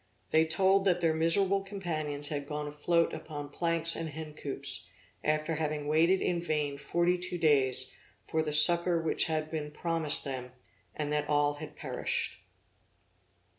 They told that their miserable companions had gone afloat upon planks and hen coops, after having waited in vain forty two days, for the succor which had been promised them, and that all had perished.